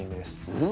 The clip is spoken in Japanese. うん？